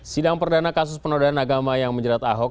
sidang perdana kasus penodaan agama yang menjerat ahok